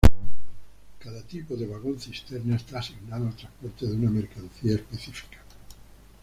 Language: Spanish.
Cada tipo de vagón cisterna está asignado al transporte de una mercancía específica.